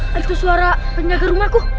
habis itu suara penjaga rumahku